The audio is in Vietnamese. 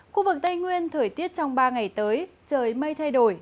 khu vực tây nguyên thời tiết trong ba ngày tới trời mây thay đổi